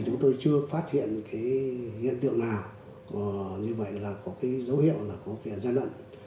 chúng tôi chưa phát hiện cái hiện tượng nào như vậy là có cái dấu hiệu là có phiền gian lận